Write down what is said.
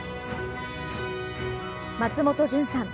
松本潤さん